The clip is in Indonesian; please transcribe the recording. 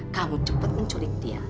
kamu cepat menculik dia